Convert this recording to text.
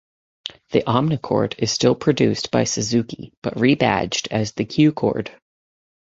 The Omnichord is still produced by Suzuki, but rebadged as the Q-chord.